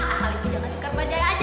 asal ibu jangan tukar bajanya aja